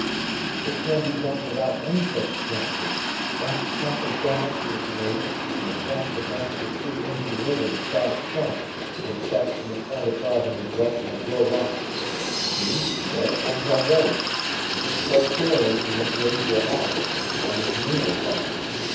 "It can be done without any such chances. Master Cap has gone up to the canoe, and will cast the branch of a tree into the river to try the current, which sets from the point above in the direction of your rock. See, there it comes already; if it float fairly, you must raise your arm, when the canoe will follow.